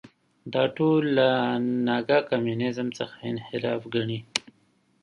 دا ټول له نګه کمونیزم څخه انحراف ګڼي.